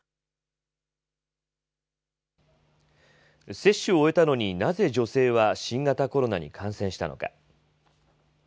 接種を終えたのに、なぜ女性は新型コロナに感染したのか。